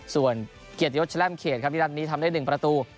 ส่วนเกียรติยศแร่มเขตครับวิรัดนี้ทำได้๑ประตู